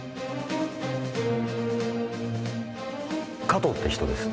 加藤って人です。